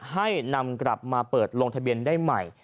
ให้นำกลับมาเปิดลงทะเบียนได้ใหม่